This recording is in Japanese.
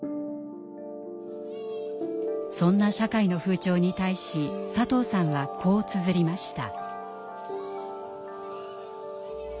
そんな社会の風潮に対し佐藤さんはこうつづりました。